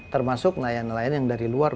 termasuk nelayan nelayan yang dari luar